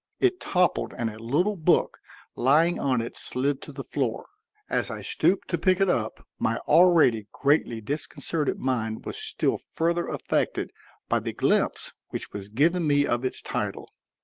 It toppled and a little book lying on it slid to the floor; as I stooped to pick it up my already greatly disconcerted mind was still further affected by the glimpse which was given me of its title.